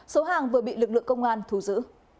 số hàng vừa bị lực lượng công an thu giữ